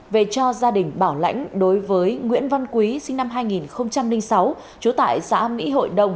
về cho gia đình bảo lãnh đối với nguyễn văn quý sinh năm hai nghìn sáu trú tại xã mỹ hội đồng